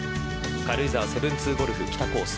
軽井沢７２ゴルフ北コース